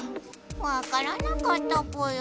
わからなかったぽよ。